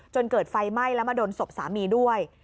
จนเกิดไฟไหม้แล้วมาโดนศพสามีด้วย